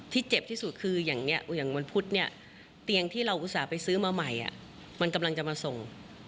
เจ็บที่สุดคืออย่างนี้อย่างวันพุธเนี่ยเตียงที่เราอุตส่าห์ไปซื้อมาใหม่มันกำลังจะมาส่ง